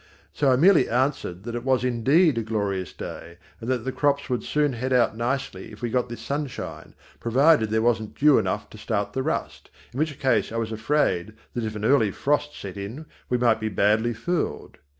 So I merely answered that it was indeed a glorious day, and that the crops would soon head out nicely if we got this sunshine, provided there wasn't dew enough to start the rust, in which case I was afraid that if an early frost set in we might be badly fooled.